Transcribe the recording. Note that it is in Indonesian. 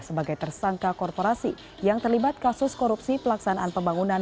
sebagai tersangka korporasi yang terlibat kasus korupsi pelaksanaan pembangunan